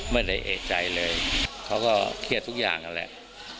ไม่ได้เอกใจเลยเขาก็เครียดทุกอย่างนั่นแหละ